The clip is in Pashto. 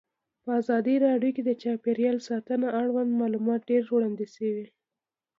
په ازادي راډیو کې د چاپیریال ساتنه اړوند معلومات ډېر وړاندې شوي.